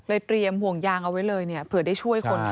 เตรียมห่วงยางเอาไว้เลยเนี่ยเผื่อได้ช่วยคนไทย